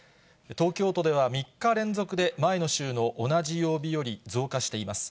東京都では３日連続で前の週の同じ曜日より増加しています。